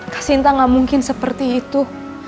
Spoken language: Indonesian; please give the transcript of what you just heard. kak sinta gak mungkin seperti itu